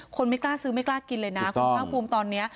ไม่กล้าซื้อไม่กล้ากินเลยนะคุณภาคภูมิตอนนี้